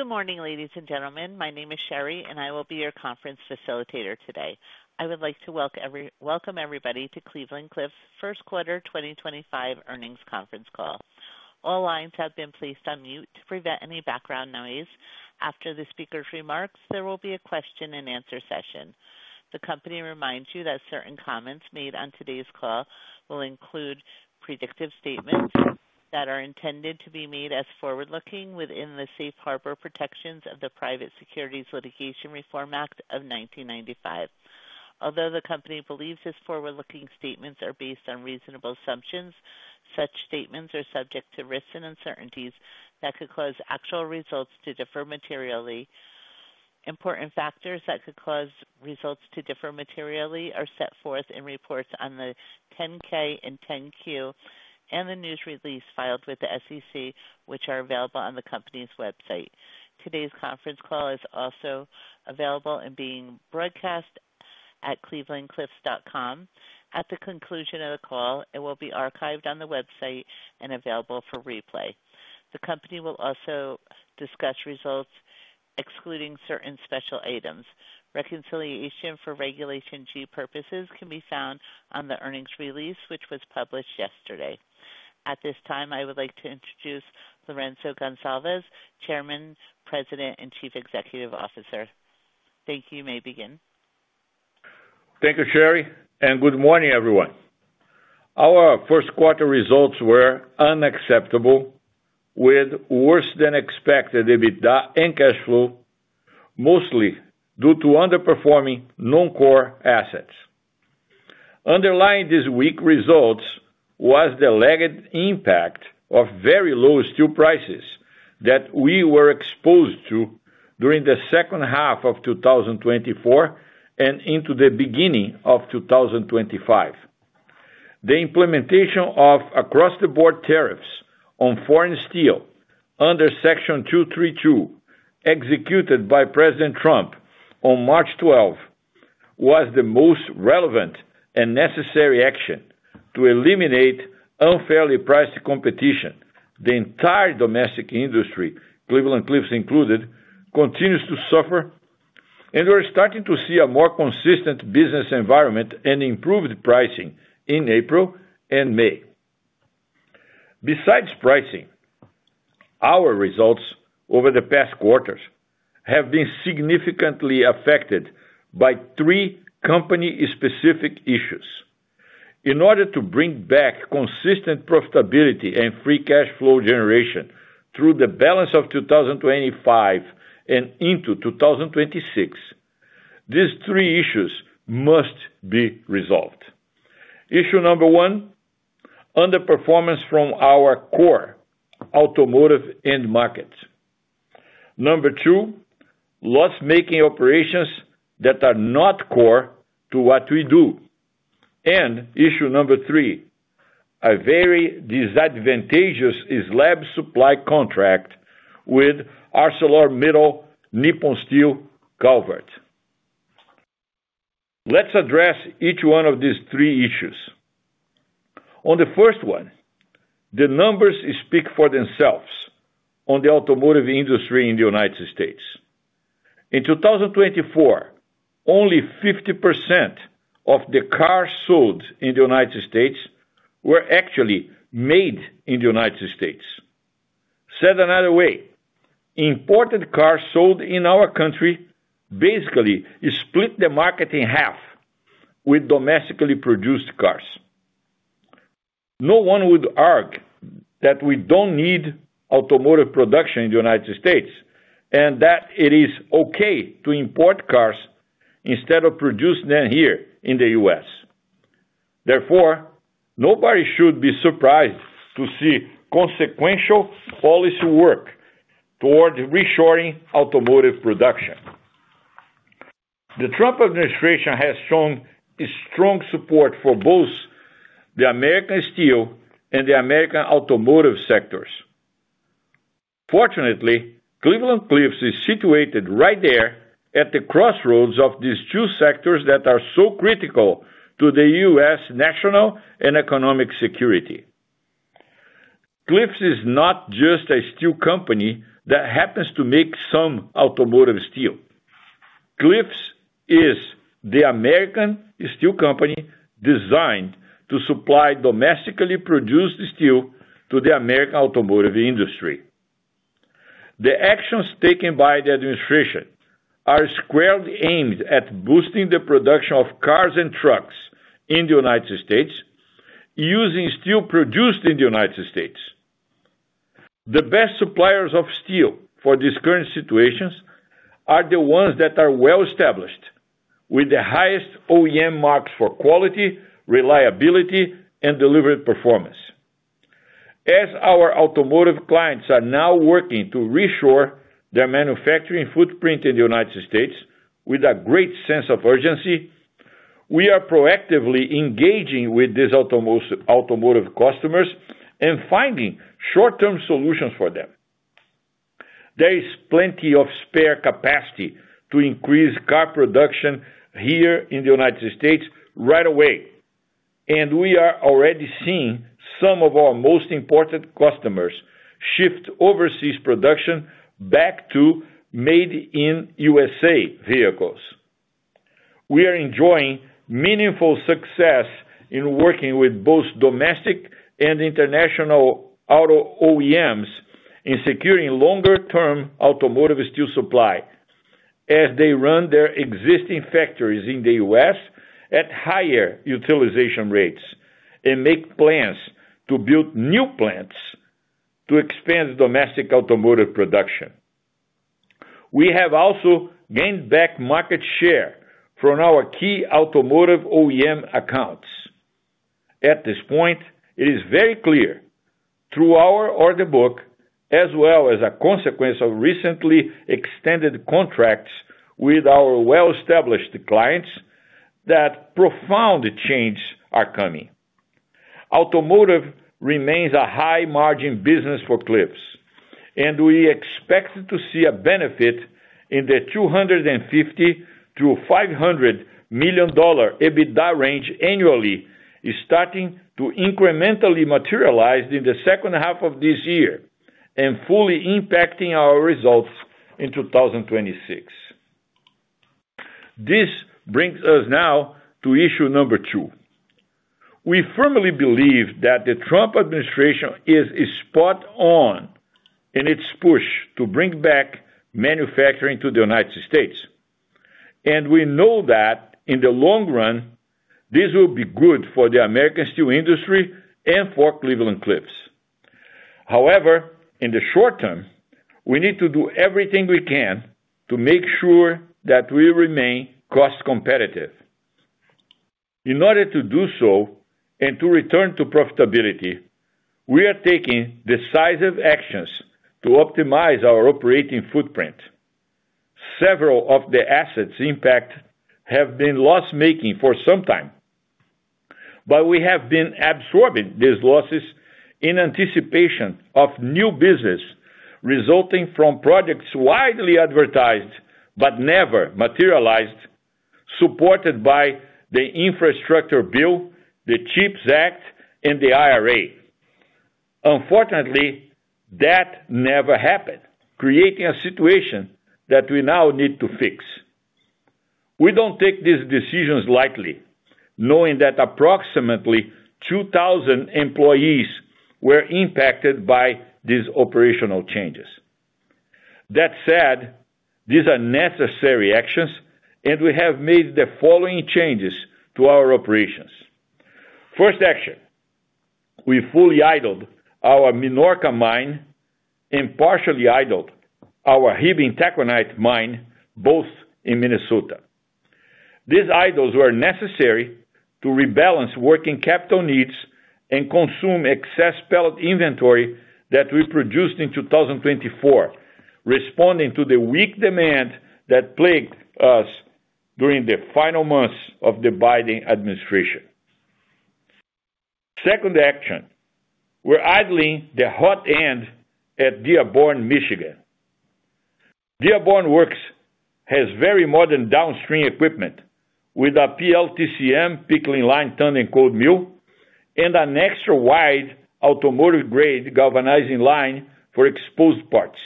Good morning, ladies, and gentlemen. My name is Sherry, and I will be your conference facilitator today. I would like to welcome everybody to Cleveland-Cliffs' First Quarter 2025 Earnings Conference Call. All lines have been placed on mute to prevent any background noise. After the speaker's remarks, there will be a question-and-answer session. The company reminds you that certain comments made on today's call will include predictive statements that are intended to be made as forward-looking within the safe harbor protections of the Private Securities Litigation Reform Act of 1995. Although the company believes its forward-looking statements are based on reasonable assumptions, such statements are subject to risks and uncertainties that could cause actual results to differ materially. Important factors that could cause results to differ materially are set forth in reports on the 10-K and 10-Q and the news release filed with the SEC, which are available on the company's website. Today's conference call is also available and being broadcast at clevelandcliffs.com. At the conclusion of the call, it will be archived on the website and available for replay. The company will also discuss results, excluding certain special items. Reconciliation for regulation G purposes can be found on the earnings release, which was published yesterday. At this time, I would like to introduce Lourenco Goncalves, Chairman, President, and Chief Executive Officer. Thank you. You may begin. Thank you, Sherry, and good morning, everyone. Our first quarter results were unacceptable, with worse-than-expected EBITDA and cash flow, mostly due to underperforming non-core assets. Underlying these weak results was the lagging impact of very low steel prices that we were exposed to during the second half of 2024 and into the beginning of 2025. The implementation of across-the-board tariffs on foreign steel under Section 232, executed by President Trump on March 12, was the most relevant and necessary action to eliminate unfairly priced competition. The entire domestic industry, Cleveland-Cliffs included, continues to suffer, and we're starting to see a more consistent business environment and improved pricing in April and May. Besides pricing, our results over the past quarters have been significantly affected by three company-specific issues. In order to bring back consistent profitability and free cash flow generation through the balance of 2025 and into 2026, these three issues must be resolved. Issue number one: underperformance from our core automotive end markets. Number two: loss-making operations that are not core to what we do. And issue number three: a very disadvantageous slab supply contract with ArcelorMittal Nippon Steel Calvert. Let's address each one of these three issues. On the first one, the numbers speak for themselves on the automotive industry in the U.S. In 2024, only 50% of the cars sold in the U.S. were actually made in the U.S. Said another way, imported cars sold in our country basically split the market in half with domestically produced cars. No one would argue that we don't need automotive production in the U.S. and that it is okay to import cars instead of producing them here in the U.S. Therefore, nobody should be surprised to see consequential policy work toward reshoring automotive production. The Trump administration has shown strong support for both the American steel and the American automotive sectors. Fortunately, Cleveland-Cliffs is situated right there at the crossroads of these two sectors that are so critical to the U.S. national and economic security. Cliffs is not just a steel company that happens to make some automotive steel. Cliffs is the American steel company designed to supply domestically produced steel to the American automotive industry. The actions taken by the administration are squarely aimed at boosting the production of cars and trucks in the U.S., using steel produced in the U.S. The best suppliers of steel for these current situations are the ones that are well-established, with the highest OEM marks for quality, reliability, and delivery performance. As our automotive clients are now working to re-shore their manufacturing footprint in the U.S. with a great sense of urgency, we are proactively engaging with these automotive customers and finding short-term solutions for them. There is plenty of spare capacity to increase car production here in the U.S. right away, and we are already seeing some of our most important customers shift overseas production back to made-in-USA vehicles. We are enjoying meaningful success in working with both domestic and international auto OEMs in securing longer-term automotive steel supply as they run their existing factories in the U.S. at higher utilization rates and make plans to build new plants to expand domestic automotive production. We have also gained back market share from our key automotive OEM accounts. At this point, it is very clear through our order book, as well as a consequence of recently extended contracts with our well-established clients, that profound changes are coming. Automotive remains a high-margin business for Cliffs, and we expect to see a benefit in the $250 million-$500 million EBITDA range annually, starting to incrementally materialize in the second half of this year and fully impacting our results in 2026. This brings us now to issue number two. We firmly believe that the Trump administration is spot on in its push to bring back manufacturing to the U.S., and we know that in the long run, this will be good for the American steel industry and for Cleveland-Cliffs. However, in the short term, we need to do everything we can to make sure that we remain cost-competitive. In order to do so and to return to profitability, we are taking decisive actions to optimize our operating footprint. Several of the assets' impact has been loss-making for some time, but we have been absorbing these losses in anticipation of new business resulting from projects widely advertised but never materialized, supported by the Infrastructure Bill, the CHIPS Act, and the IRA. Unfortunately, that never happened, creating a situation that we now need to fix. We do not take these decisions lightly, knowing that approximately 2,000 employees were impacted by these operational changes. That said, these are necessary actions, and we have made the following changes to our operations. First action: we fully idled our Menominee mine and partially idled our Hibbing-Taconite mine, both in Minnesota. These idles were necessary to rebalance working capital needs and consume excess pellet inventory that we produced in 2024, responding to the weak demand that plagued us during the final months of the Biden administration. Second action: we're idling the hot end at Dearborn, Michigan. Dearborn Works has very modern downstream equipment, with a PLTCM pickling line, tandem cold mill, and an extra-wide automotive-grade galvanizing line for exposed parts.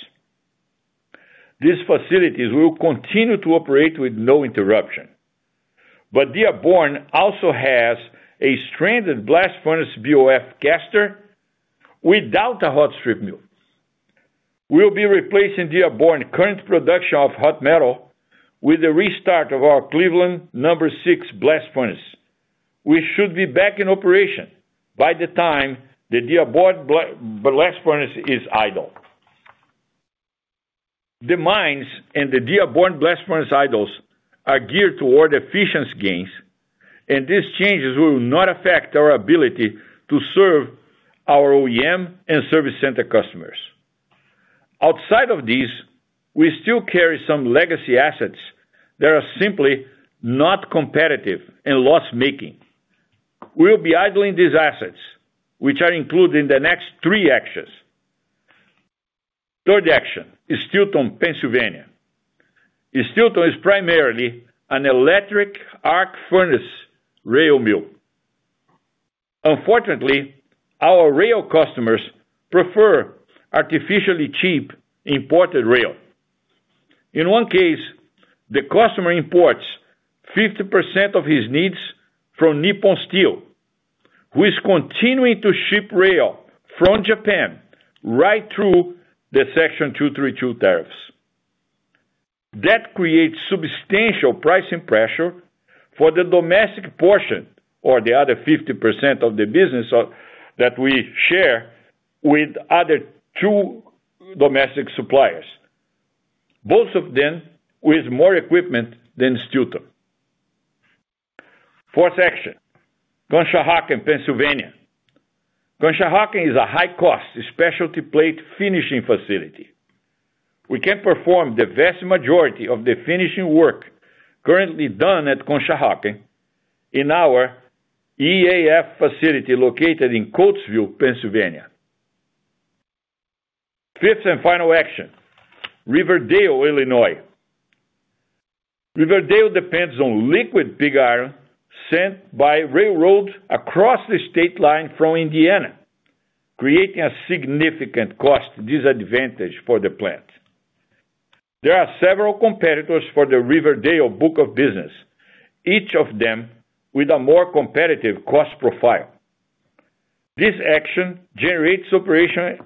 These facilities will continue to operate with no interruption, but Dearborn also has a stranded blast furnace BOF caster without a hot strip mill. We'll be replacing Dearborn's current production of hot metal with the restart of our Cleveland number six blast furnace. We should be back in operation by the time the Dearborn blast furnace is idled. The mines and the Dearborn blast furnace idles are geared toward efficiency gains, and these changes will not affect our ability to serve our OEM and service center customers. Outside of these, we still carry some legacy assets that are simply not competitive and loss-making. We'll be idling these assets, which are included in the next three actions. Third action: Steelton, Pennsylvania. Steelton is primarily an electric arc furnace rail mill. Unfortunately, our rail customers prefer artificially cheap imported rail. In one case, the customer imports 50% of his needs from Nippon Steel, who is continuing to ship rail from Japan right through the Section 232 tariffs. That creates substantial pricing pressure for the domestic portion, or the other 50% of the business that we share with other two domestic suppliers, both of them with more equipment than Steelton. Fourth action: Conshohocken, Pennsylvania. Conshohocken is a high-cost specialty plate finishing facility. We can perform the vast majority of the finishing work currently done at Conshohocken in our EAF facility located in Coatesville, Pennsylvania. Fifth and final action: Riverdale, Illinois. Riverdale depends on liquid pig iron sent by railroad across the state line from Indiana, creating a significant cost disadvantage for the plant. There are several competitors for the Riverdale book of business, each of them with a more competitive cost profile. This action generates operational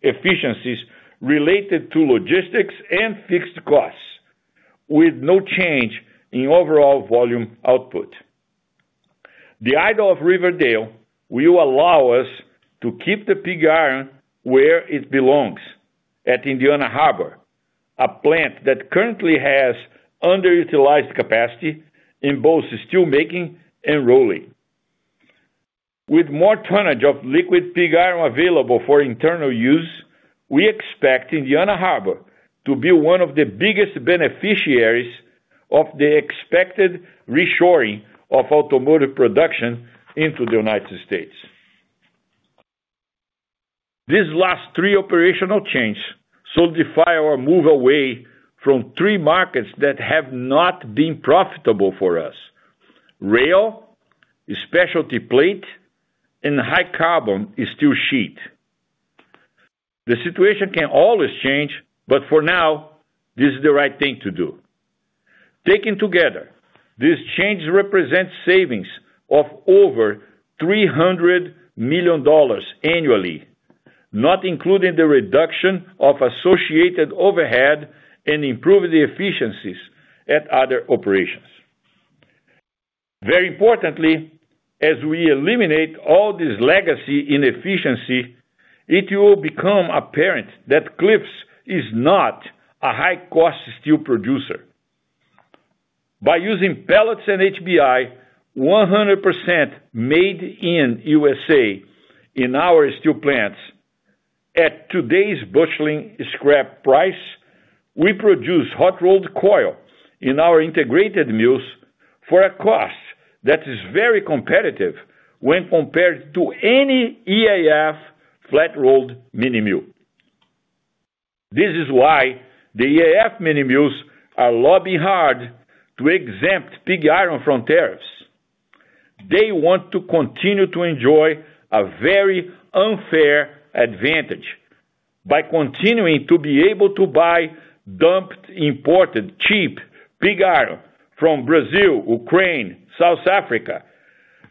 efficiencies related to logistics and fixed costs, with no change in overall volume output. The idle of Riverdale will allow us to keep the pig iron where it belongs at Indiana Harbor, a plant that currently has underutilized capacity in both steelmaking and rolling. With more tonnage of liquid pig iron available for internal use, we expect Indiana Harbor to be one of the biggest beneficiaries of the expected reshoring of automotive production into the U.S. These last three operational changes solidify our move away from three markets that have not been profitable for us: rail, specialty plate, and high-carbon steel sheet. The situation can always change, but for now, this is the right thing to do. Taken together, these changes represent savings of over $300 million annually, not including the reduction of associated overhead and improving the efficiencies at other operations. Very importantly, as we eliminate all this legacy inefficiency, it will become apparent that Cliffs is not a high-cost steel producer. By using pellets and HBI 100% made in the USA. in our steel plants, at today's busheling scrap price, we produce hot-rolled coil in our integrated mills for a cost that is very competitive when compared to any EAF flat-rolled mini mill. This is why the EAF mini mills are lobbying hard to exempt pig iron from tariffs. They want to continue to enjoy a very unfair advantage by continuing to be able to buy dumped imported cheap pig iron from Brazil, Ukraine, South Africa,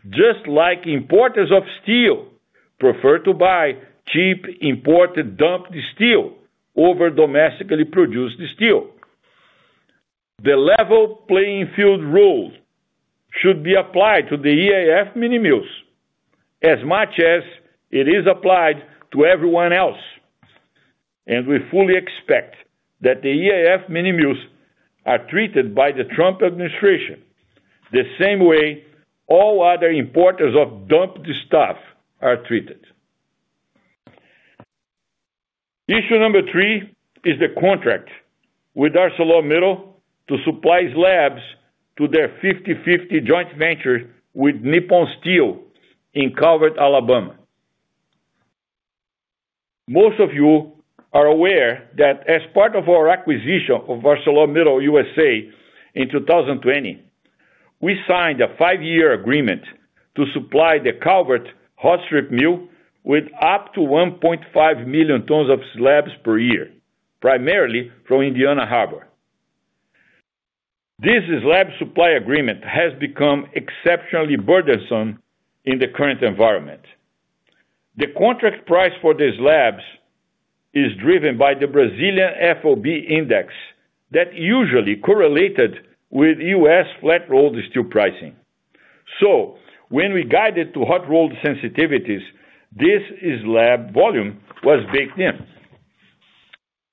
just like importers of steel prefer to buy cheap imported dumped steel over domestically produced steel. The level playing field rule should be applied to the EAF mini mills as much as it is applied to everyone else, and we fully expect that the EAF mini mills are treated by the Trump administration the same way all other importers of dumped stuff are treated. Issue number three is the contract with ArcelorMittal to supply slabs to their 50/50 joint venture with Nippon Steel in Calvert, Alabama. Most of you are aware that as part of our acquisition of ArcelorMittal USA in 2020, we signed a five-year agreement to supply the Calvert hot strip mill with up to 1.5 million tons of slabs per year, primarily from Indiana Harbor. This slab supply agreement has become exceptionally burdensome in the current environment. The contract price for these slabs is driven by the Brazilian FOB index that usually correlated with U.S. flat-rolled steel pricing. When we guided to hot-rolled sensitivities, this slab volume was baked in.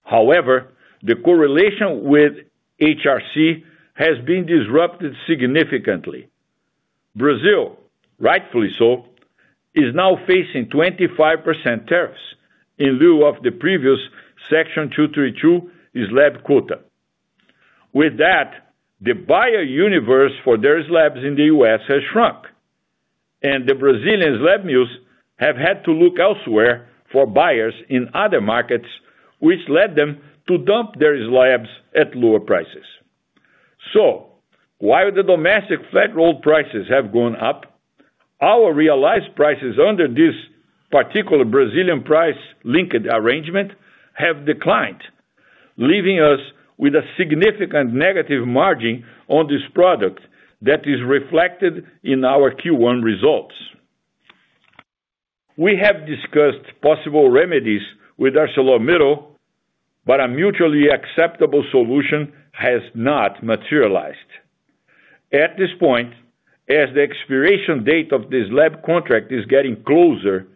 However, the correlation with HRC has been disrupted significantly. Brazil, rightfully so, is now facing 25% tariffs in lieu of the previous Section 232 slab quota. With that, the buyer universe for their slabs in the U.S. has shrunk, and the Brazilian slab mills have had to look elsewhere for buyers in other markets, which led them to dump their slabs at lower prices. While the domestic flat-rolled prices have gone up, our realized prices under this particular Brazilian price-linked arrangement have declined, leaving us with a significant negative margin on this product that is reflected in our Q1 results. We have discussed possible remedies with ArcelorMittal, but a mutually acceptable solution has not materialized. At this point, as the expiration date of this slab contract is getting closer,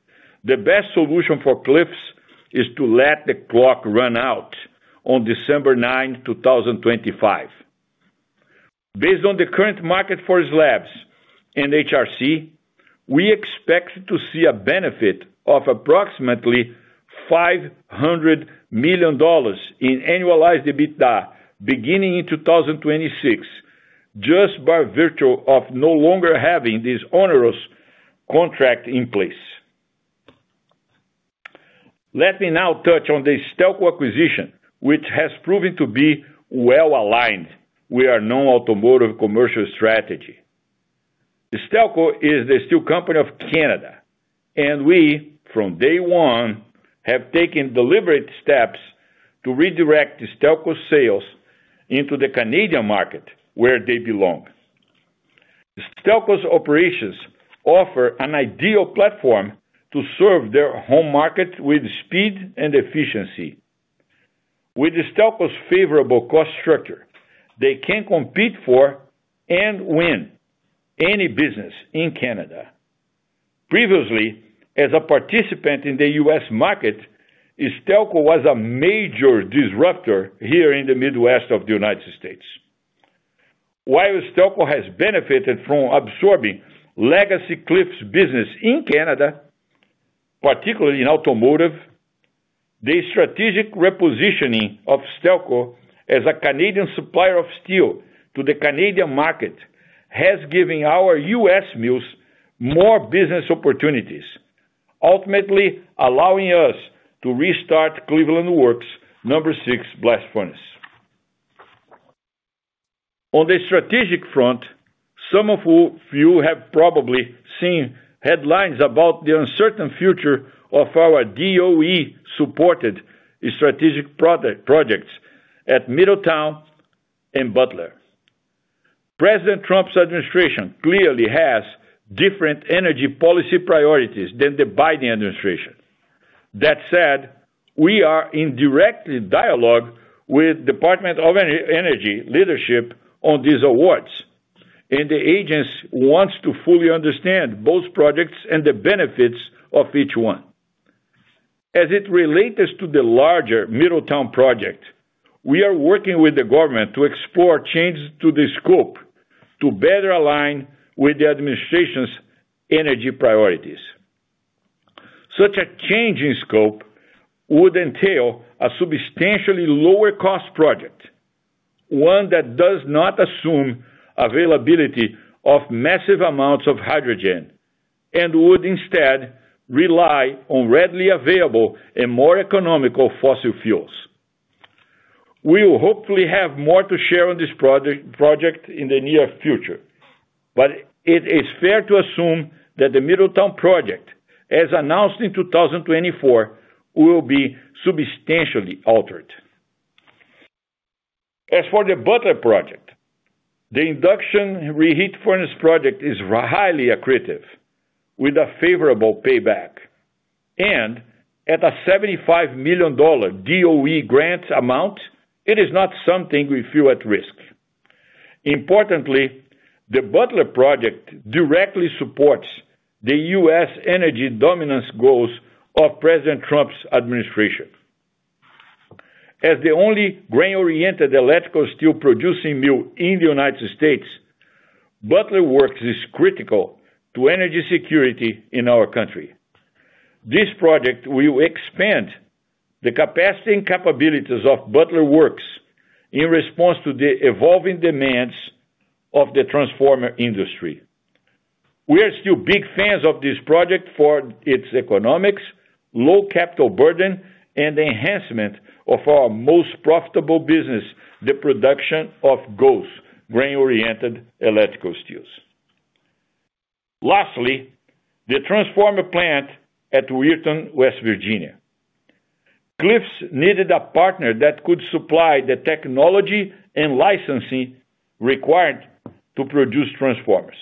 the best solution for Cliffs is to let the clock run out on December 9, 2025. Based on the current market for slabs and HRC, we expect to see a benefit of approximately $500 million in annualized EBITDA beginning in 2026, just by virtue of no longer having this onerous contract in place. Let me now touch on the Stelco acquisition, which has proven to be well aligned with our known automotive commercial strategy. Stelco is the steel company of Canada, and we, from day one, have taken deliberate steps to redirect Stelco's sales into the Canadian market where they belong. Stelco's operations offer an ideal platform to serve their home market with speed and efficiency. With Stelco's favorable cost structure, they can compete for and win any business in Canada. Previously, as a participant in the U.S. market, Stelco was a major disruptor here in the Midwest of the U.S. While Stelco has benefited from absorbing legacy Cliffs business in Canada, particularly in automotive, the strategic repositioning of Stelco as a Canadian supplier of steel to the Canadian market has given our U.S. mills more business opportunities, ultimately allowing us to restart Cleveland-Cliffs number six blast furnace. On the strategic front, some of you have probably seen headlines about the uncertain future of our DOE-supported strategic projects at Middletown and Butler. President Trump's administration clearly has different energy policy priorities than the Biden administration. That said, we are in direct dialogue with the Department of Energy leadership on these awards, and the agency wants to fully understand both projects and the benefits of each one. As it relates to the larger Middletown project, we are working with the government to explore changes to the scope to better align with the administration's energy priorities. Such a change in scope would entail a substantially lower-cost project, one that does not assume availability of massive amounts of hydrogen and would instead rely on readily available and more economical fossil fuels. We will hopefully have more to share on this project in the near future, but it is fair to assume that the Middletown project, as announced in 2024, will be substantially altered. As for the Butler project, the induction reheat furnace project is highly accretive with a favorable payback, and at a $75 million DOE grant amount, it is not something we feel at risk. Importantly, the Butler project directly supports the U.S. energy dominance goals of President Trump's administration. As the only grain-oriented electrical steel-producing mill in the U.S., Butler Works is critical to energy security in our country. This project will expand the capacity and capabilities of Butler Works in response to the evolving demands of the transformer industry. We are still big fans of this project for its economics, low capital burden, and enhancement of our most profitable business, the production of grain-oriented electrical steels. Lastly, the transformer plant at Wharton, West Virginia. Cliffs needed a partner that could supply the technology and licensing required to produce transformers.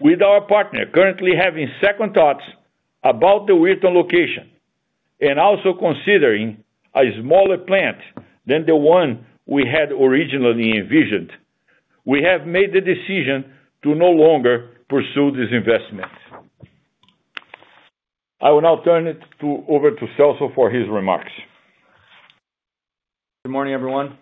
With our partner currently having second thoughts about the Wharton location and also considering a smaller plant than the one we had originally envisioned, we have made the decision to no longer pursue this investment. I will now turn it over to Celso for his remarks. Good morning, everyone.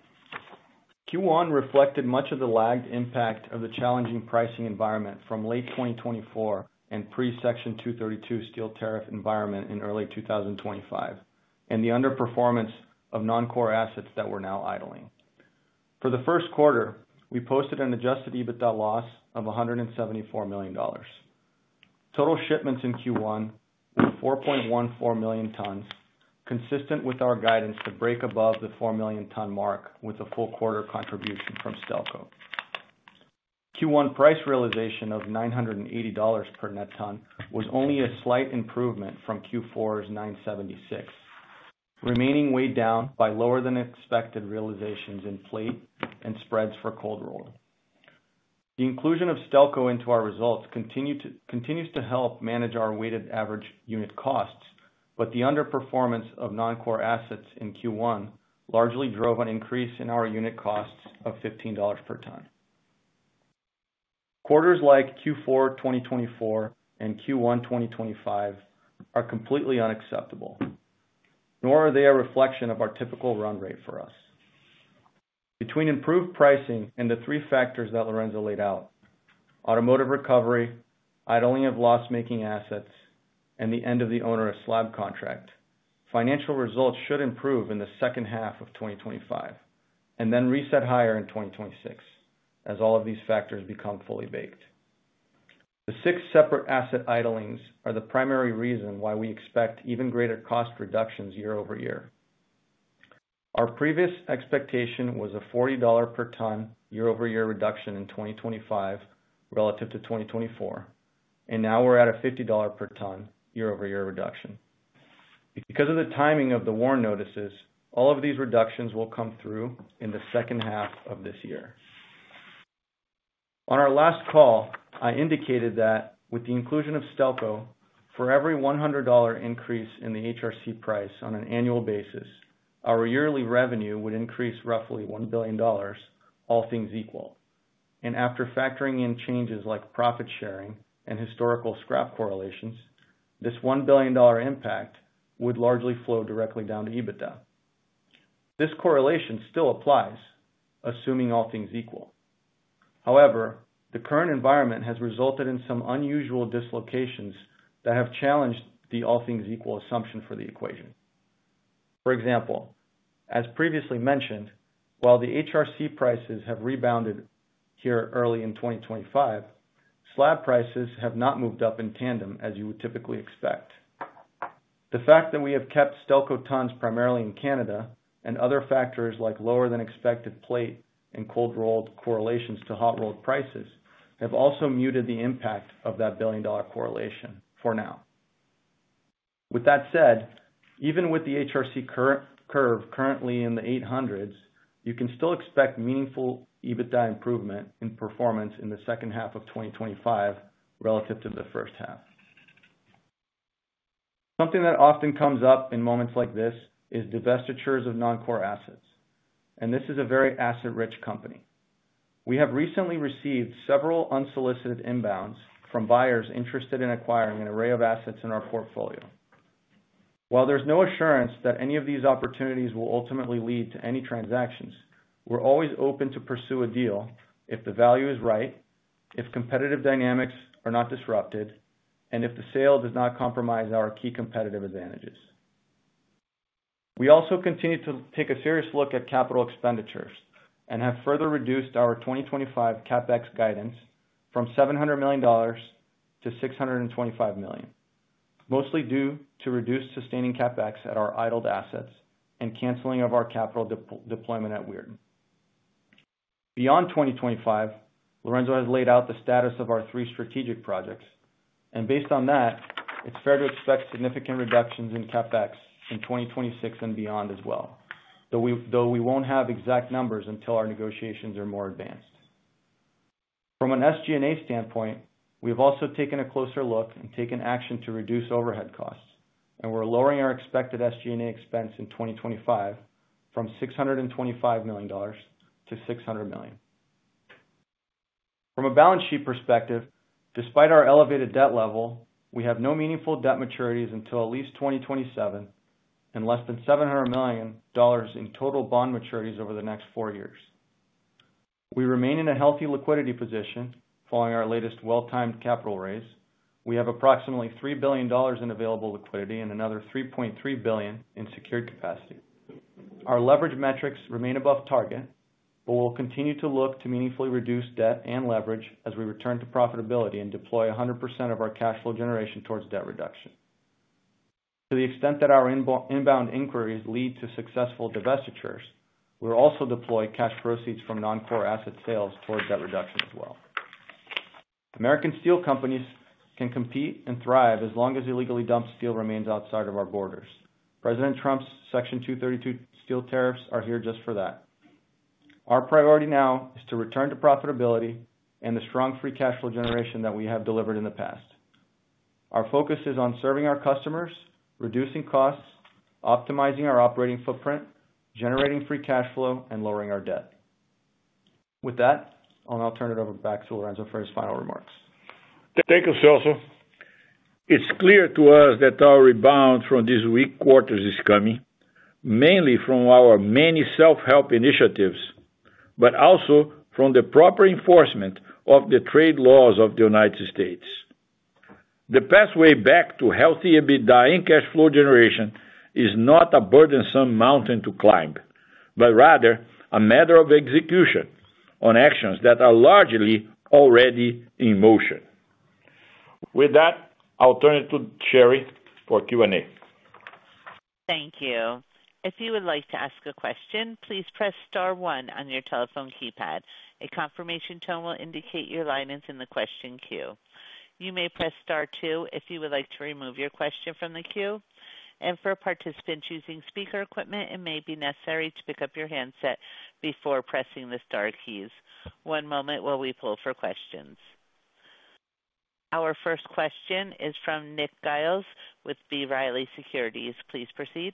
Q1 reflected much of the lagged impact of the challenging pricing environment from late 2024 and pre-Section 232 steel tariff environment in early 2025, and the underperformance of non-core assets that we're now idling. For the first quarter, we posted an adjusted EBITDA loss of $174 million. Total shipments in Q1 were 4.14 million tons, consistent with our guidance to break above the 4 million-ton mark with a full quarter contribution from Stelco. Q1 price realization of $980 per net ton was only a slight improvement from Q4's $976, remaining weighed down by lower-than-expected realizations in plate and spreads for cold roll. The inclusion of Stelco into our results continues to help manage our weighted average unit costs, but the underperformance of non-core assets in Q1 largely drove an increase in our unit costs of $15 per ton. Quarters like Q4 2024 and Q1 2025 are completely unacceptable, nor are they a reflection of our typical run rate for us. Between improved pricing and the three factors that Lourenco laid out—automotive recovery, idling of loss-making assets, and the end of the owner of slab contract—financial results should improve in the second half of 2025 and then reset higher in 2026 as all of these factors become fully baked. The six separate asset idlings are the primary reason why we expect even greater cost reductions year over year. Our previous expectation was a $40 per ton year-over-year reduction in 2025 relative to 2024, and now we're at a $50 per ton year-over-year reduction. Because of the timing of the warrant notices, all of these reductions will come through in the second half of this year. On our last call, I indicated that with the inclusion of Stelco, for every $100 increase in the HRC price on an annual basis, our yearly revenue would increase roughly $1 billion, all things equal. After factoring in changes like profit sharing and historical scrap correlations, this $1 billion impact would largely flow directly down to EBITDA. This correlation still applies, assuming all things equal. However, the current environment has resulted in some unusual dislocations that have challenged the all-things-equal assumption for the equation. For example, as previously mentioned, while the HRC prices have rebounded here early in 2025, slab prices have not moved up in tandem as you would typically expect. The fact that we have kept Stelco tons primarily in Canada and other factors like lower-than-expected plate and cold-rolled correlations to hot-rolled prices have also muted the impact of that billion-dollar correlation for now. With that said, even with the HRC curve currently in the 800s, you can still expect meaningful EBITDA improvement in performance in the second half of 2025 relative to the first half. Something that often comes up in moments like this is divestitures of non-core assets, and this is a very asset-rich company. We have recently received several unsolicited inbounds from buyers interested in acquiring an array of assets in our portfolio. While there is no assurance that any of these opportunities will ultimately lead to any transactions, we are always open to pursue a deal if the value is right, if competitive dynamics are not disrupted, and if the sale does not compromise our key competitive advantages. We also continue to take a serious look at capital expenditures and have further reduced our 2025 CapEx guidance from $700 million to $625 million, mostly due to reduced sustaining CapEx at our idled assets and canceling of our capital deployment at Wharton. Beyond 2025, Lourenco has laid out the status of our three strategic projects, and based on that, it's fair to expect significant reductions in CapEx in 2026 and beyond as well, though we won't have exact numbers until our negotiations are more advanced. From an SG&A standpoint, we have also taken a closer look and taken action to reduce overhead costs, and we're lowering our expected SG&A expense in 2025 from $625 million to $600 million. From a balance sheet perspective, despite our elevated debt level, we have no meaningful debt maturities until at least 2027 and less than $700 million in total bond maturities over the next four years. We remain in a healthy liquidity position following our latest well-timed capital raise. We have approximately $3 billion in available liquidity and another $3.3 billion in secured capacity. Our leverage metrics remain above target, but we'll continue to look to meaningfully reduce debt and leverage as we return to profitability and deploy 100% of our cash flow generation towards debt reduction. To the extent that our inbound inquiries lead to successful divestitures, we'll also deploy cash proceeds from non-core asset sales towards debt reduction as well. American steel companies can compete and thrive as long as illegally dumped steel remains outside of our borders. President Trump's Section 232 steel tariffs are here just for that. Our priority now is to return to profitability and the strong free cash flow generation that we have delivered in the past. Our focus is on serving our customers, reducing costs, optimizing our operating footprint, generating free cash flow, and lowering our debt. With that, I'll now turn it over back to Lourenco for his final remarks. Thank you, Celso. It's clear to us that our rebound from these weak quarters is coming mainly from our many self-help initiatives, but also from the proper enforcement of the trade laws of the U.S. The pathway back to healthy EBITDA and cash flow generation is not a burdensome mountain to climb, but rather a matter of execution on actions that are largely already in motion. With that, I'll turn it to Sherry for Q&A. Thank you. If you would like to ask a question, please press star one on your telephone keypad. A confirmation tone will indicate your line is in the question queue. You may press star two if you would like to remove your question from the queue. For participants using speaker equipment, it may be necessary to pick up your handset before pressing the star keys. One moment while we poll for questions. Our first question is from Nick Giles with B. Riley Securities. Please proceed.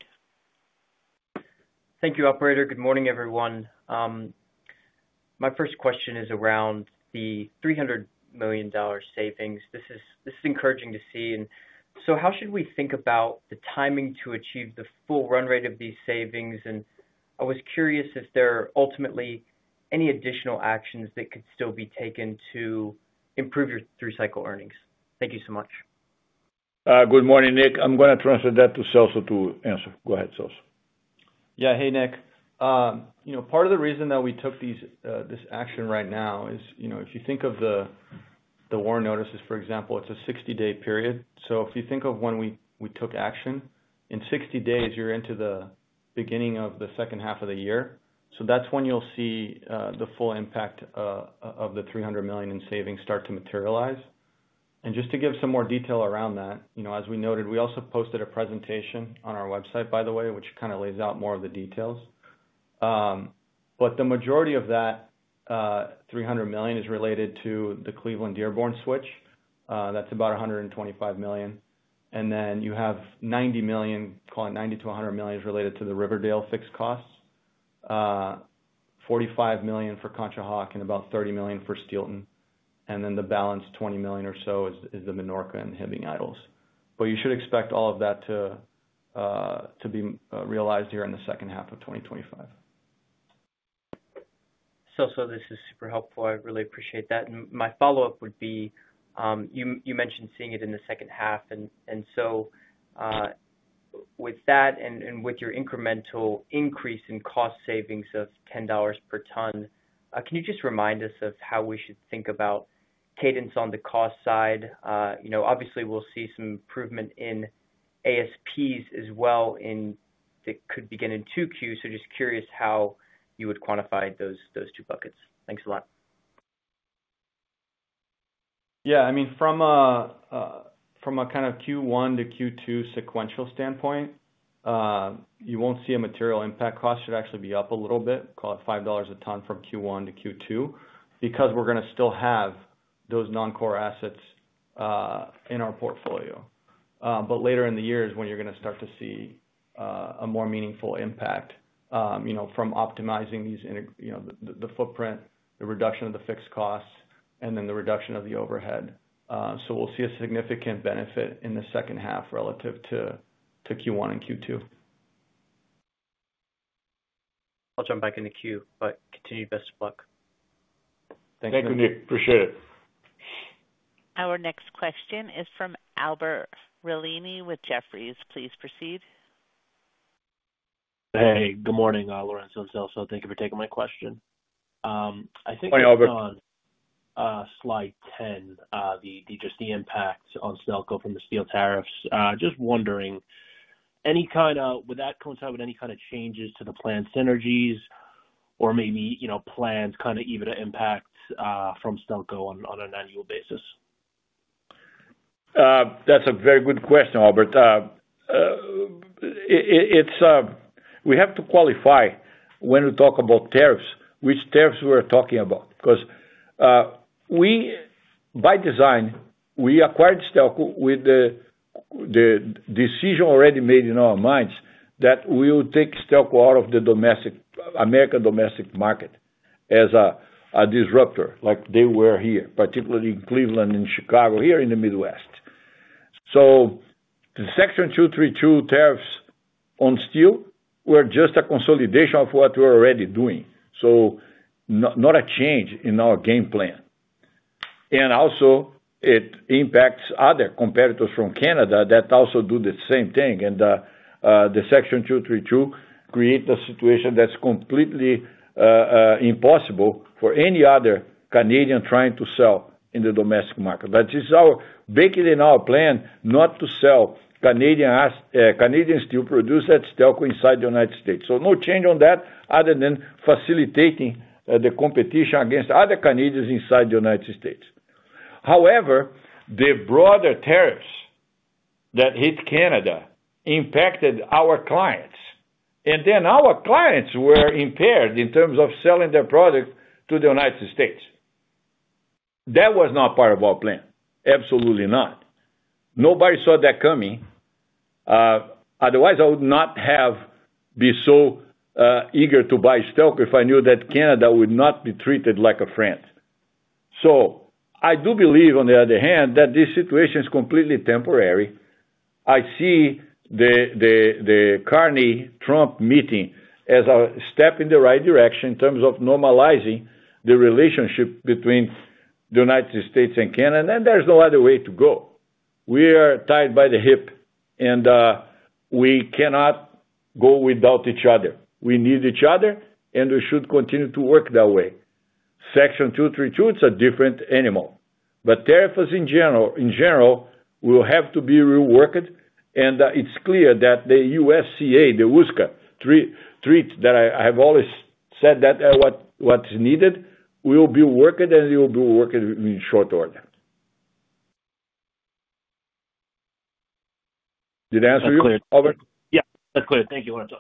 Thank you, Operator. Good morning, everyone. My first question is around the $300 million savings. This is encouraging to see. How should we think about the timing to achieve the full run rate of these savings? I was curious if there are ultimately any additional actions that could still be taken to improve your three-cycle earnings. Thank you so much. Good morning, Nick. I'm going to transfer that to Celso to answer. Go ahead, Celso. Yeah, hey, Nick. Part of the reason that we took this action right now is if you think of the warrant notices, for example, it's a 60-day period. If you think of when we took action, in 60 days, you're into the beginning of the second half of the year. That's when you'll see the full impact of the $300 million in savings start to materialize. Just to give some more detail around that, as we noted, we also posted a presentation on our website, by the way, which kind of lays out more of the details. The majority of that $300 million is related to the Cleveland-Dearborn switch. That's about $125 million. You have $90 million, call it $90 million-$100 million, is related to the Riverdale fixed costs, $45 million for Conshohocken, and about $30 million for Steelton. The balance, $20 million or so, is the Minorca and Hibbing idles. You should expect all of that to be realized here in the second half of 2025. Celso, this is super helpful. I really appreciate that. My follow-up would be you mentioned seeing it in the second half. With that and with your incremental increase in cost savings of $10 per ton, can you just remind us of how we should think about cadence on the cost side? Obviously, we'll see some improvement in ASPs as well that could begin in 2Q. Just curious how you would quantify those two buckets. Thanks a lot. Yeah. I mean, from a kind of Q1 to Q2 sequential standpoint, you won't see a material impact. Cost should actually be up a little bit, call it $5 a ton from Q1 to Q2, because we're going to still have those non-core assets in our portfolio. Later in the year is when you're going to start to see a more meaningful impact from optimizing the footprint, the reduction of the fixed costs, and then the reduction of the overhead. We'll see a significant benefit in the second half relative to Q1 and Q2. I'll jump back into queue, but continue best of luck. Thanks, Nick. Thank you, Nick. Appreciate it. Our next question is from Albert Rellini with Jefferies. Please proceed. Hey, good morning, Lourenco and Celso. Thank you for taking my question. I think we're on slide 10, just the impact on Stelco from the steel tariffs. Just wondering, would that coincide with any kind of changes to the planned synergies or maybe plans kind of even to impact from Stelco on an annual basis? That's a very good question, Albert. We have to qualify when we talk about tariffs, which tariffs we're talking about. Because by design, we acquired Stelco with the decision already made in our minds that we will take Stelco out of the American domestic market as a disruptor, like they were here, particularly in Cleveland and Chicago, here in the Midwest. The Section 232 tariffs on steel were just a consolidation of what we were already doing, so not a change in our game plan. It impacts other competitors from Canada that also do the same thing. The Section 232 creates a situation that's completely impossible for any other Canadian trying to sell in the domestic market. That is baked in in our plan not to sell Canadian steel produced at Stelco inside the U.S. No change on that other than facilitating the competition against other Canadians inside the U.S. However, the broader tariffs that hit Canada impacted our clients. Our clients were impaired in terms of selling their product to the U.S. That was not part of our plan. Absolutely not. Nobody saw that coming. Otherwise, I would not have been so eager to buy Stelco if I knew that Canada would not be treated like a friend. I do believe, on the other hand, that this situation is completely temporary. I see the Carney-Trump meeting as a step in the right direction in terms of normalizing the relationship between the U.S. and Canada. There is no other way to go. We are tied by the hip, and we cannot go without each other. We need each other, and we should continue to work that way. Section 232, it's a different animal. Tariffs in general will have to be reworked. It's clear that the USCA, the USCA treaty that I have always said that what's needed will be worked, and it will be working in short order. Did I answer you? That's clear. Yeah, that's clear. Thank you, Lourenco.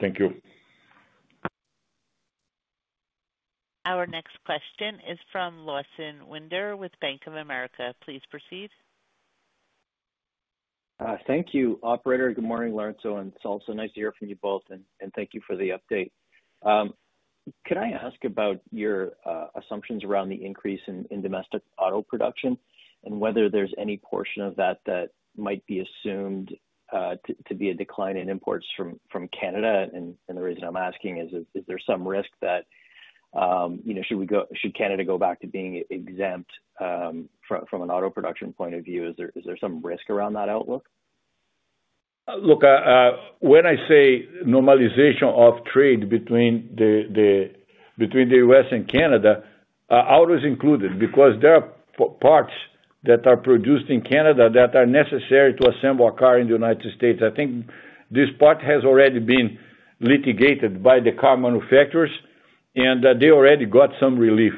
Thank you. Our next question is from Lawson Winder with Bank of America. Please proceed. Thank you, Operator. Good morning, Lourenco and Celso. Nice to hear from you both, and thank you for the update. Could I ask about your assumptions around the increase in domestic auto production and whether there's any portion of that that might be assumed to be a decline in imports from Canada? The reason I'm asking is, is there some risk that should Canada go back to being exempt from an auto production point of view? Is there some risk around that outlook? Look, when I say normalization of trade between the U.S. and Canada, auto is included because there are parts that are produced in Canada that are necessary to assemble a car in the U.S. I think this part has already been litigated by the car manufacturers, and they already got some relief.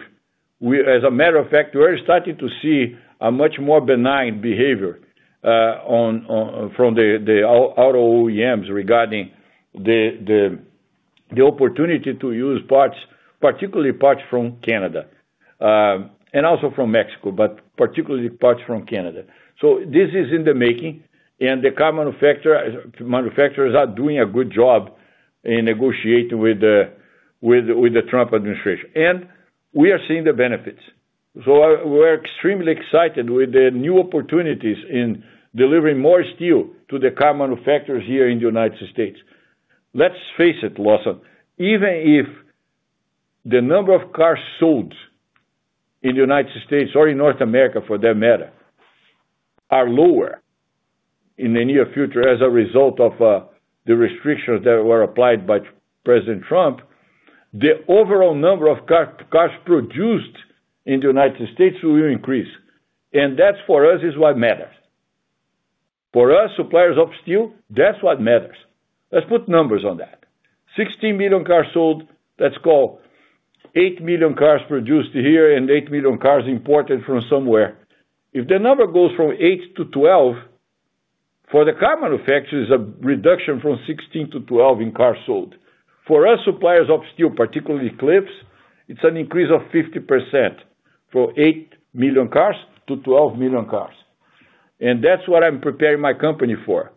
As a matter of fact, we're starting to see a much more benign behavior from the auto OEMs regarding the opportunity to use parts, particularly parts from Canada and also from Mexico, but particularly parts from Canada. This is in the making, and the car manufacturers are doing a good job in negotiating with the Trump administration. We are seeing the benefits. We're extremely excited with the new opportunities in delivering more steel to the car manufacturers here in the U.S. Let's face it, Lawson, even if the number of cars sold in the U.S. or in North America, for that matter, are lower in the near future as a result of the restrictions that were applied by President Trump, the overall number of cars produced in the U.S. will increase. That for us is what matters. For us, suppliers of steel, that's what matters. Let's put numbers on that. 16 million cars sold, let's call eight million cars produced here and eight million cars imported from somewhere. If the number goes from eight to 12, for the car manufacturers, it's a reduction from 16 to 12 in cars sold. For us, suppliers of steel, particularly Cliffs, it's an increase of 50% from eight million cars to 12 million cars. That's what I'm preparing my company for.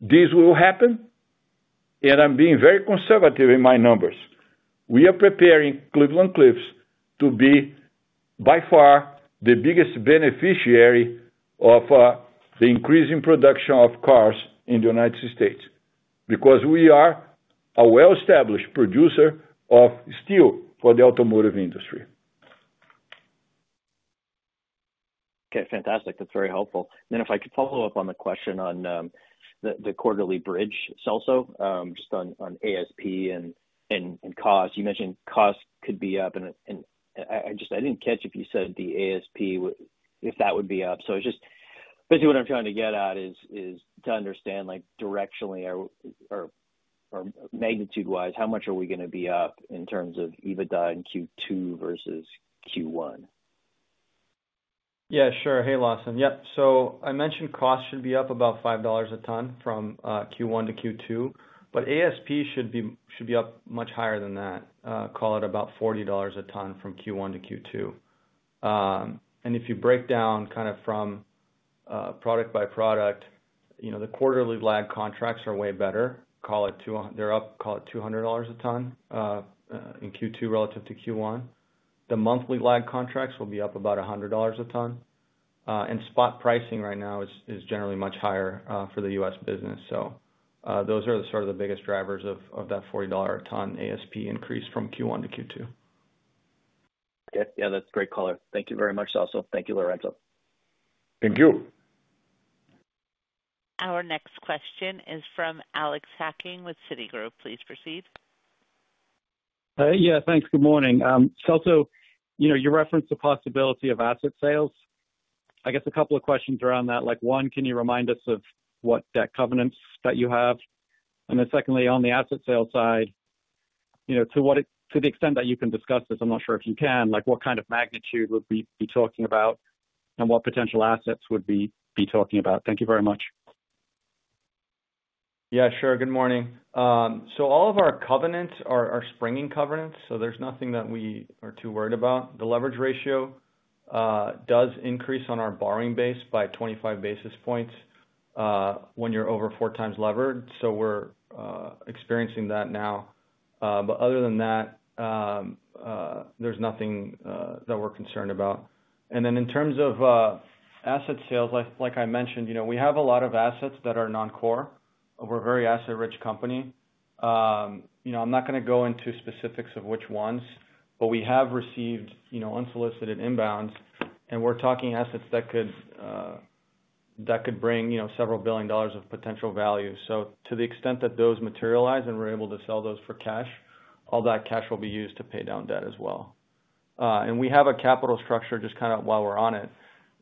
This will happen, and I'm being very conservative in my numbers. We are preparing Cleveland-Cliffs to be by far the biggest beneficiary of the increasing production of cars in the U.S. because we are a well-established producer of steel for the automotive industry. Okay. Fantastic. That's very helpful. If I could follow-up on the question on the quarterly bridge, Celso, just on ASP and cost, you mentioned cost could be up. I didn't catch if you said the ASP, if that would be up. Basically, what I'm trying to get at is to understand directionally or magnitude-wise, how much are we going to be up in terms of EBITDA in Q2 versus Q1? Yeah, sure. Hey, Lawson. Yep. I mentioned cost should be up about $5 a ton from Q1 to Q2, but ASP should be up much higher than that, call it about $40 a ton from Q1 to Q2. If you break down kind of from product by product, the quarterly lag contracts are way better. Call it they're up, call it $200 a ton in Q2 relative to Q1. The monthly lag contracts will be up about $100 a ton. Spot pricing right now is generally much higher for the U.S. business. Those are sort of the biggest drivers of that $40 a ton ASP increase from Q1 to Q2. Okay. Yeah, that's great color. Thank you very much, Celso. Thank you, Lourenco. Thank you. Our next question is from Alex Hacking with Citigroup. Please proceed. Yeah, thanks. Good morning. Celso, you referenced the possibility of asset sales. I guess a couple of questions around that. One, can you remind us of what debt covenants that you have? And then secondly, on the asset sale side, to the extent that you can discuss this, I'm not sure if you can, what kind of magnitude would we be talking about and what potential assets would we be talking about? Thank you very much. Yeah, sure. Good morning. All of our covenants are springing covenants, so there's nothing that we are too worried about. The leverage ratio does increase on our borrowing base by 25 basis points when you're over four times levered. We're experiencing that now. Other than that, there's nothing that we're concerned about. In terms of asset sales, like I mentioned, we have a lot of assets that are non-core. We're a very asset-rich company. I'm not going to go into specifics of which ones, but we have received unsolicited inbounds, and we're talking assets that could bring several billion dollars of potential value. To the extent that those materialize and we're able to sell those for cash, all that cash will be used to pay down debt as well. We have a capital structure, just kind of while we're on it,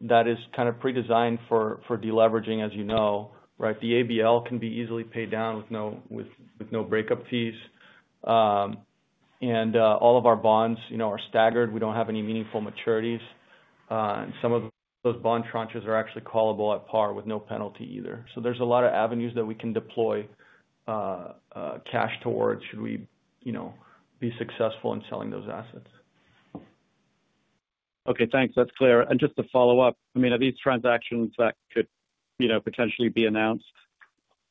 that is kind of pre-designed for deleveraging, as you know, right? The ABL can be easily paid down with no breakup fees. All of our bonds are staggered. We don't have any meaningful maturities. Some of those bond tranches are actually callable at par with no penalty either. There's a lot of avenues that we can deploy cash towards should we be successful in selling those assets. Okay. Thanks. That's clear. Just to follow up, I mean, are these transactions that could potentially be announced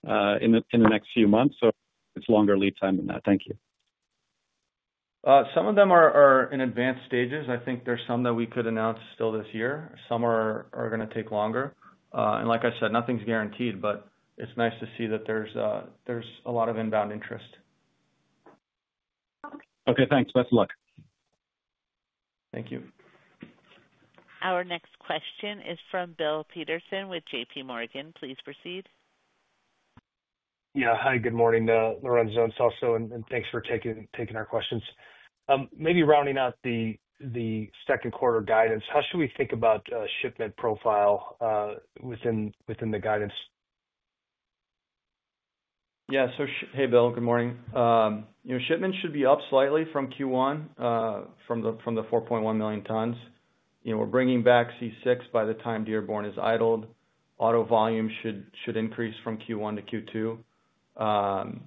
in the next few months or is it a longer lead time than that? Thank you. Some of them are in advanced stages. I think there are some that we could announce still this year. Some are going to take longer. Like I said, nothing is guaranteed, but it is nice to see that there is a lot of inbound interest. Okay. Thanks. Best of luck. Thank you. Our next question is from Bill Peterson with JPMorgan. Please proceed. Yeah. Hi, good morning, Lourenco and Celso, and thanks for taking our questions. Maybe rounding out the second quarter guidance, how should we think about shipment profile within the guidance? Yeah. So hey, Bill. Good morning. Shipments should be up slightly from Q1 from the 4.1 million tons. We are bringing back C6 by the time Dearborn is idled. Auto volume should increase from Q1 to Q2.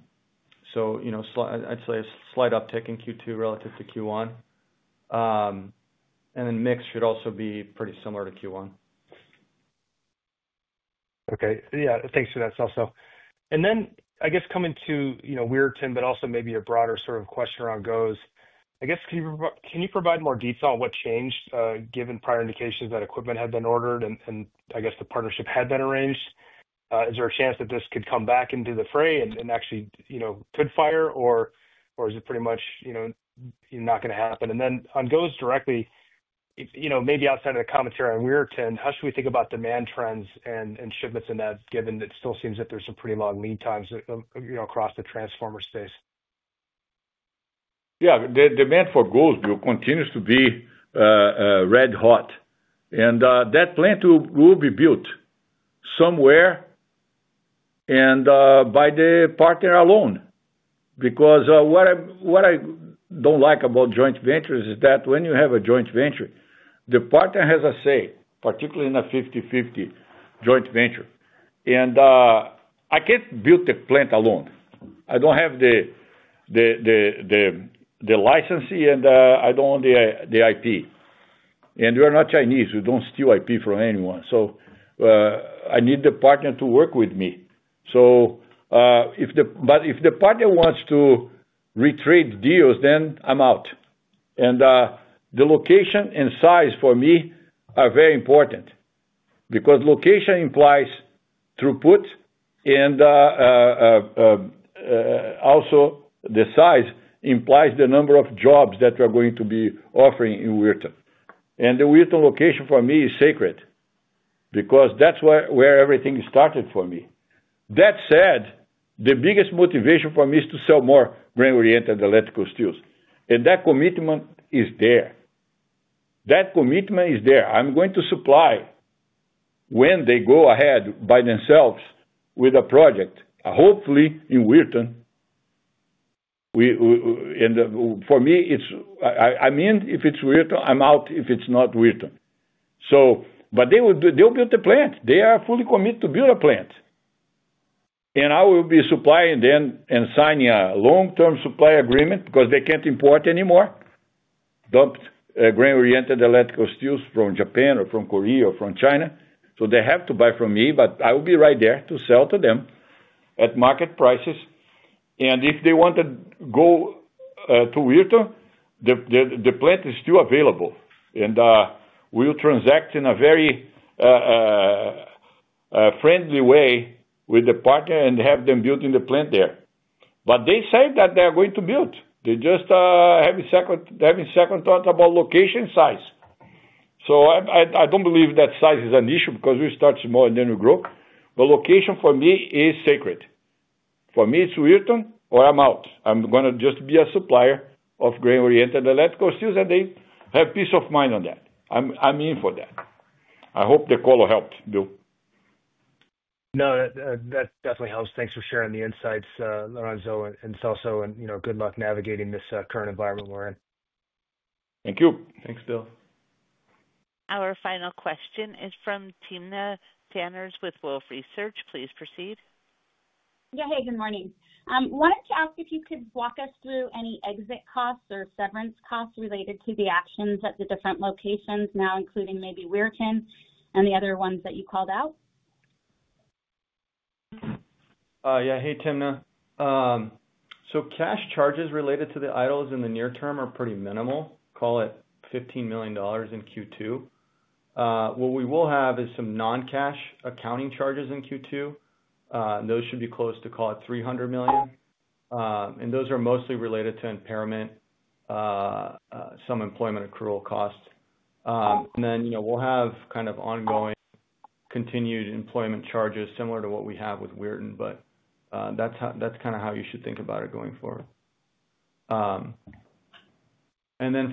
I'd say a slight uptick in Q2 relative to Q1. Mix should also be pretty similar to Q1. Okay. Thanks for that, Celso. I guess coming to Weirton, but also maybe a broader sort of question around GOES, can you provide more detail on what changed given prior indications that equipment had been ordered and the partnership had been arranged? Is there a chance that this could come back into the fray and actually could fire, or is it pretty much not going to happen? On GOES directly, maybe outside of the commentary on Weirton, how should we think about demand trends and shipments in that given that it still seems that there's some pretty long lead times across the transformer space? Yeah. Demand for GOES will continue to be red hot. That plant will be built somewhere and by the partner alone. What I do not like about joint ventures is that when you have a joint venture, the partner has a say, particularly in a 50/50 joint venture. I cannot build the plant alone. I do not have the licensee, and I do not own the IP. We are not Chinese. We do not steal IP from anyone. I need the partner to work with me. If the partner wants to retrade deals, then I am out. The location and size for me are very important because location implies throughput, and also the size implies the number of jobs that we are going to be offering in Weirton. The Weirton location for me is sacred because that is where everything started for me. That said, the biggest motivation for me is to sell more grain-oriented electrical steels. That commitment is there. I'm going to supply when they go ahead by themselves with a project, hopefully in Weirton. For me, I mean, if it's Weirton, I'm out. If it's not Weirton, so. They'll build the plant. They are fully committed to build a plant. I will be supplying then and signing a long-term supply agreement because they can't import anymore dumped grain-oriented electrical steels from Japan or from Korea or from China. They have to buy from me, but I will be right there to sell to them at market prices. If they want to go to Weirton, the plant is still available. We'll transact in a very friendly way with the partner and have them building the plant there. They say that they are going to build. They're just having second thoughts about location size. I don't believe that size is an issue because we start small and then we grow. Location for me is sacred. For me, it's Weirton, or I'm out. I'm going to just be a supplier of grain-oriented electrical steels, and they have peace of mind on that. I'm in for that. I hope the call helped, Bill. No, that definitely helps. Thanks for sharing the insights, Lourenco and Celso, and good luck navigating this current environment we're in. Thank you. Thanks, Bill. Our final question is from Timna Tanners with Wolfe Research. Please proceed. Yeah. Hey, good morning. I wanted to ask if you could walk us through any exit costs or severance costs related to the actions at the different locations now, including maybe Weirton and the other ones that you called out. Yeah. Hey, Timna. So cash charges related to the idles in the near term are pretty minimal, call it $15 million in Q2. What we will have is some non-cash accounting charges in Q2. Those should be close to, call it, $300 million. And those are mostly related to impairment, some employment accrual costs. Then we'll have kind of ongoing continued employment charges similar to what we have with Weirton, but that's kind of how you should think about it going forward.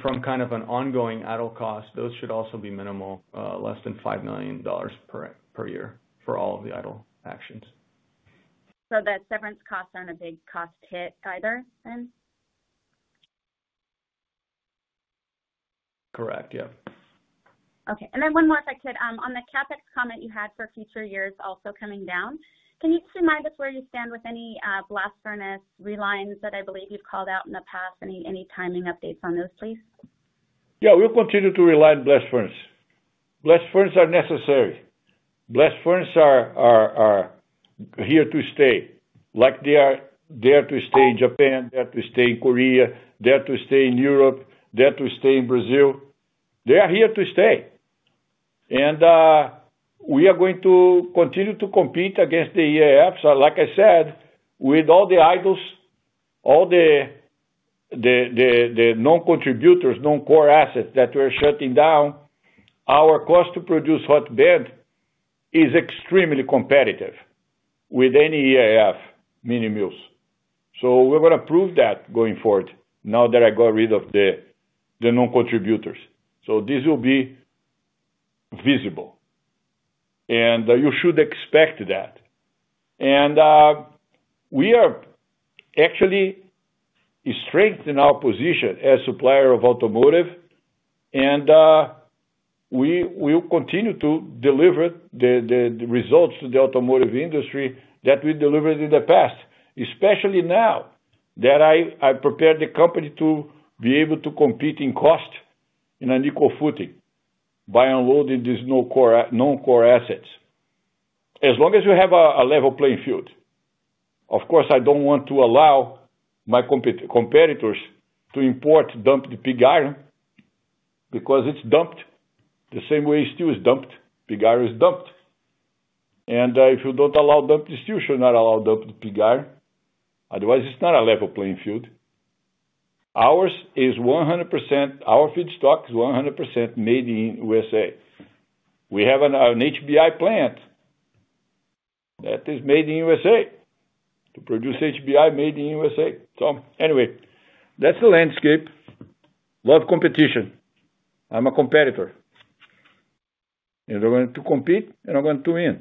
From kind of an ongoing idle cost, those should also be minimal, less than $5 million per year for all of the idle actions. That severance costs are not a big cost hit either then? Correct. Yep. Okay. One more if I could. On the CapEx comment you had for future years also coming down, can you just remind us where you stand with any blast furnace relines that I believe you have called out in the past? Any timing updates on those, please? Yeah. We will continue to rely on blast furnace. Blast furnace are necessary. Blast furnace are here to stay. They are there to stay in Japan, there to stay in Korea, there to stay in Europe, there to stay in Brazil. They are here to stay. We are going to continue to compete against the EAFs. Like I said, with all the idles, all the non-contributors, non-core assets that we are shutting down, our cost to produce hot bed is extremely competitive with any EAF mini-mills. We're going to prove that going forward now that I got rid of the non-contributors. This will be visible. You should expect that. We are actually strengthening our position as a supplier of automotive. We will continue to deliver the results to the automotive industry that we delivered in the past, especially now that I prepared the company to be able to compete in cost on an equal footing by unloading these non-core assets as long as you have a level playing field. Of course, I do not want to allow my competitors to import dumped pig iron because it is dumped the same way steel is dumped. Pig iron is dumped. If you do not allow dumped steel, you should not allow dumped pig iron. Otherwise, it is not a level playing field. Ours is 100%—our feedstock is 100% made in the USA. We have an HBI plant that is made in USA to produce HBI made in USA. Anyway, that's the landscape. Love competition. I'm a competitor. I'm going to compete, and I'm going to win.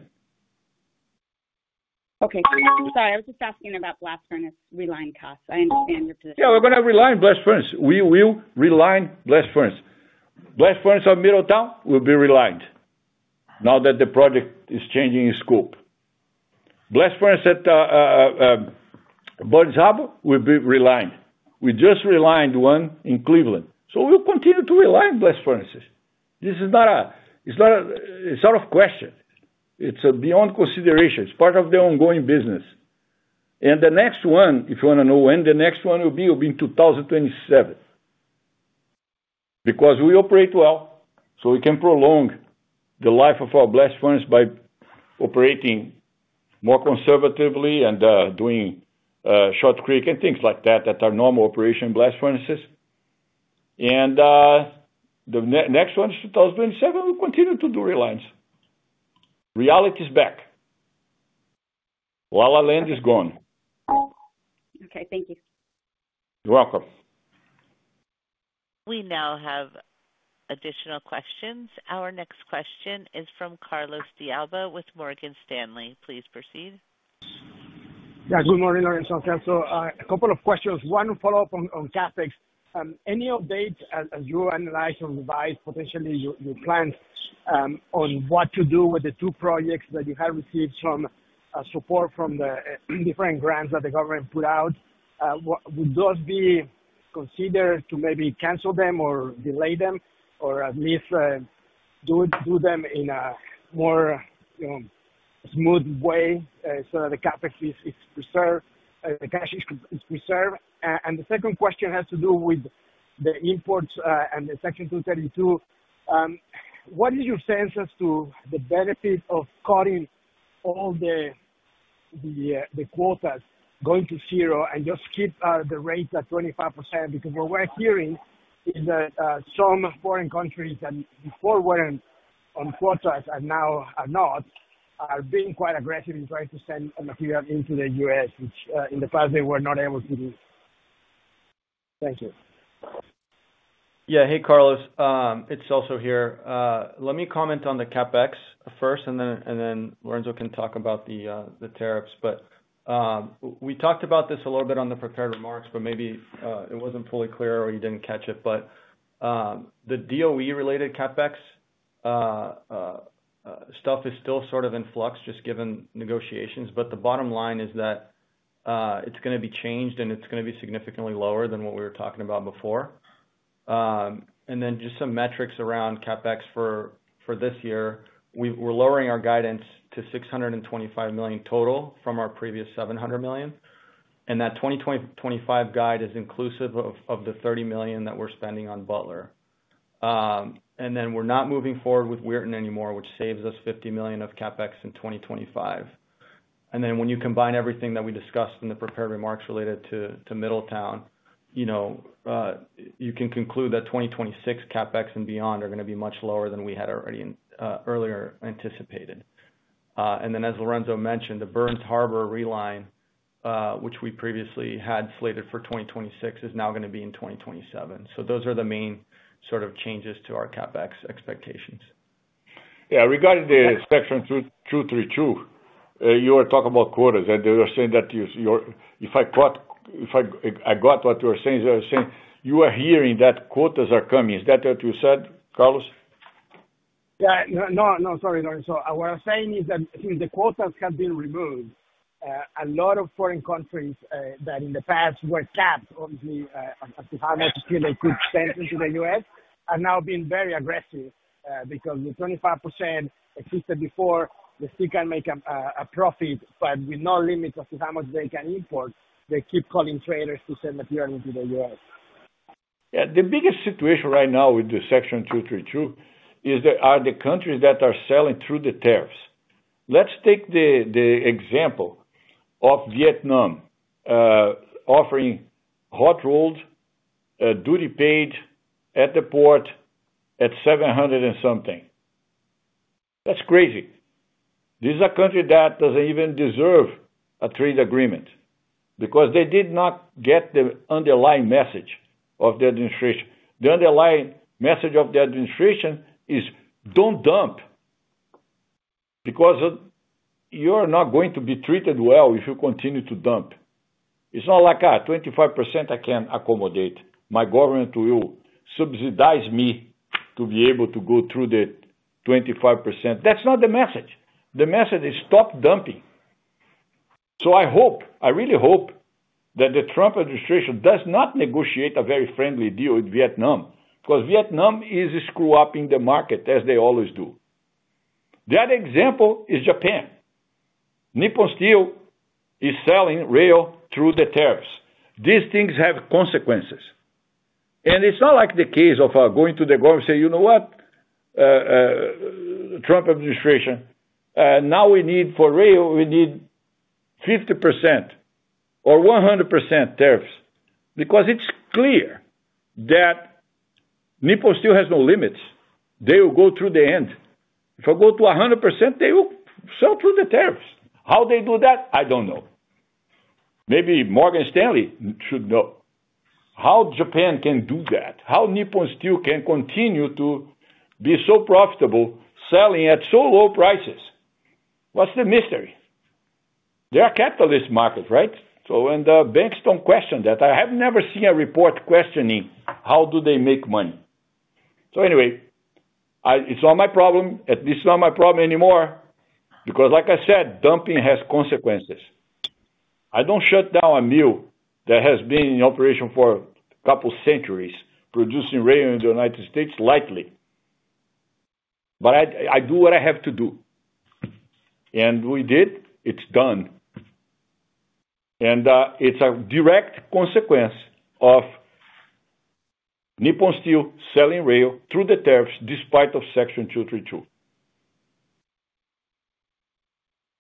Okay. Sorry. I was just asking about blast furnace reline costs. I understand your position. Yeah. We're going to reline blast furnace. We will reline blast furnace. Blast furnace of Middletown will be relined now that the project is changing in scope. Blast furnace at Burns Harbor will be relined. We just relined one in Cleveland. We'll continue to reline blast furnaces. This is not a it's out of question. It's beyond consideration. It's part of the ongoing business. The next one, if you want to know when the next one will be, will be in 2027 because we operate well. We can prolong the life of our blast furnaces by operating more conservatively and doing short creek and things like that that are normal operation blast furnaces. The next one is 2027. We'll continue to do relines. Reality is back. La La Land is gone. Okay. Thank you. You're welcome. We now have additional questions. Our next question is from Carlos Diablo with Morgan Stanley. Please proceed. Yeah. Good morning, Lourenco and Celso. A couple of questions. One follow-up on CapEx. Any updates as you analyze and revise potentially your plans on what to do with the two projects that you have received some support from the different grants that the government put out? Would those be considered to maybe cancel them or delay them or at least do them in a more smooth way so that the CapEx is preserved? The cash is preserved. The second question has to do with the imports and the Section 232. What is your sense as to the benefit of cutting all the quotas going to zero and just keep the rate at 25%? Because what we're hearing is that some foreign countries that before weren't on quotas and now are not are being quite aggressive in trying to send material into the U.S., which in the past they were not able to do. Thank you. Yeah. Hey, Carlos. It's Celso here. Let me comment on the CapEx first, and then Lourenco can talk about the tariffs. We talked about this a little bit on the prepared remarks, but maybe it wasn't fully clear or you didn't catch it. The DOE-related CapEx stuff is still sort of in flux just given negotiations. The bottom line is that it's going to be changed, and it's going to be significantly lower than what we were talking about before. Just some metrics around CapEx for this year. We're lowering our guidance to $625 million total from our previous $700 million. That 2025 guide is inclusive of the $30 million that we're spending on Butler. We're not moving forward with Weirton anymore, which saves us $50 million of CapEx in 2025. When you combine everything that we discussed in the prepared remarks related to Middletown, you can conclude that 2026 CapEx and beyond are going to be much lower than we had already earlier anticipated. As Lourenco mentioned, the Burns Harbor reline, which we previously had slated for 2026, is now going to be in 2027. Those are the main sort of changes to our CapEx expectations. Yeah. Regarding the Section 232, you were talking about quotas, and they were saying that if I got what you were saying, they were saying you are hearing that quotas are coming. Is that what you said, Carlos? Yeah. No, no. Sorry, Lourenco. What I'm saying is that since the quotas have been removed, a lot of foreign countries that in the past were capped on how much steel they could send into the U.S. are now being very aggressive because the 25% existed before. The steel can make a profit, but with no limit as to how much they can import, they keep calling traders to send material into the U.S. Yeah. The biggest situation right now with the Section 232 is there are the countries that are selling through the tariffs. Let's take the example of Vietnam offering hot rolls duty-paid at the port at $700 and something. That's crazy. This is a country that doesn't even deserve a trade agreement because they did not get the underlying message of the administration. The underlying message of the administration is, "Don't dump because you're not going to be treated well if you continue to dump." It's not like, "25% I can accommodate. My government will subsidize me to be able to go through the 25%." That's not the message. The message is, "Stop dumping." I hope, I really hope that the Trump administration does not negotiate a very friendly deal with Vietnam because Vietnam is screwed up in the market as they always do. The other example is Japan. Nippon Steel is selling rail through the tariffs. These things have consequences. It is not like the case of going to the government and say, "You know what, Trump administration, now we need for rail, we need 50% or 100% tariffs because it is clear that Nippon Steel has no limits. They will go through the end. If I go to 100%, they will sell through the tariffs." How they do that, I do not know. Maybe Morgan Stanley should know. How Japan can do that? How Nippon Steel can continue to be so profitable selling at so low prices? What is the mystery? They are capitalist markets, right? When the banks do not question that, I have never seen a report questioning how do they make money. Anyway, it is not my problem. This is not my problem anymore because, like I said, dumping has consequences. I don't shut down a mill that has been in operation for a couple of centuries producing rail in the U.S. lightly. I do what I have to do. We did. It's done. It's a direct consequence of Nippon Steel selling rail through the tariffs despite Section 232.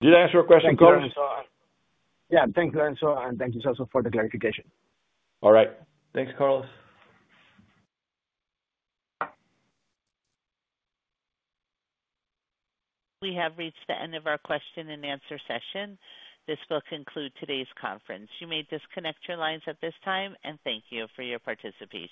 Did I answer your question, Carlos? Yeah. Thanks, Lourenco. Thank you, Celso, for the clarification. All right. Thanks, Carlos. We have reached the end of our question and answer session. This will conclude today's conference. You may disconnect your lines at this time, and thank you for your participation.